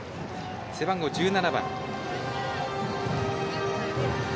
背番号１７番。